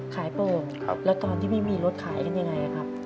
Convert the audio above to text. โป่งแล้วตอนที่ไม่มีรถขายกันยังไงครับ